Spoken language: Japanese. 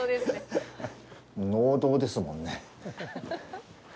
農道ですもんね。